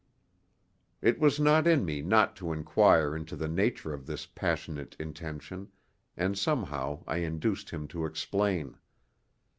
It was not in me not to inquire into the nature of this passionate intention, and somehow I induced him to explain.